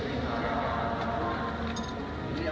ภวงประชาเป็นสุขศา